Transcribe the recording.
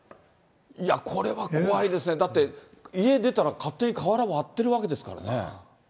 いや、これは怖いですね、だって、家出たら勝手に瓦割ってるわけですからね。